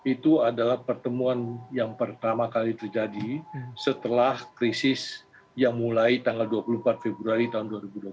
itu adalah pertemuan yang pertama kali terjadi setelah krisis yang mulai tanggal dua puluh empat februari tahun dua ribu dua puluh satu